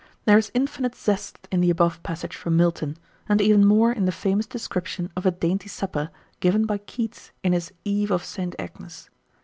There is infinite zest in the above passage from Milton, and even more in the famous description of a dainty supper, given by Keats in his "Eve of Saint Agnes."